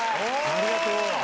ありがとう！